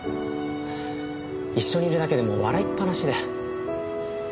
一緒にいるだけでもう笑いっぱなしで。